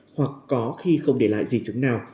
hoặc có khi không để lại di chứng nào